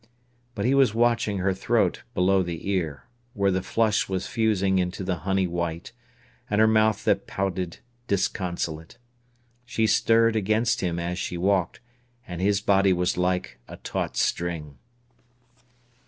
But he was watching her throat below the ear, where the flush was fusing into the honey white, and her mouth that pouted disconsolate. She stirred against him as she walked, and his body was like a taut string.